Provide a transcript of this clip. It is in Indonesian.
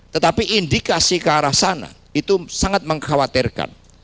tetapi indikasi ke arah sana itu sangat mengkhawatirkan